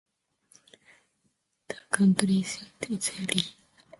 The county seat is Erie.